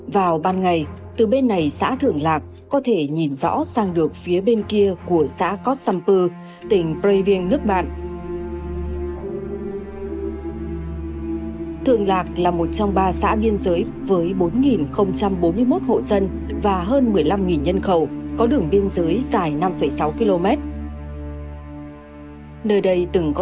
vào ban ngày từ bên này xã thưởng lạc có thể nhìn rõ sang được phía bên kia của xã cót sạc